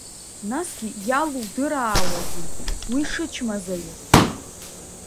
Насгьы иалудыраауазеи уи шычмазаҩу?